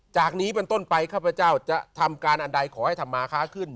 จากนี้เป็นต้นไปข้าพเจ้าจะทำการอันใดขอให้ธรรมาค้าขึ้น